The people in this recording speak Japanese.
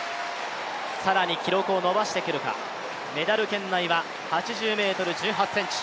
更に記録を伸ばしてくるか、メダル圏内は８０ｍ１８ｃｍ。